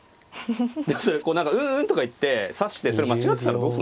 でもそれこう何かうんうんとかいって指してそれ間違ってたらどうすんすかね。